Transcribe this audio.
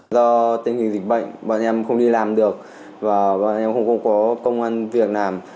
do tình hình dịch bệnh bọn em không đi làm được và em không có công an việc làm